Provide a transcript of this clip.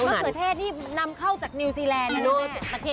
เขือเทศนี่นำเข้าจากนิวซีแลนด์นะลูก